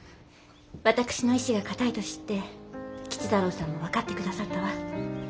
私の意志が固いと知って吉太郎さんも分かって下さったわ。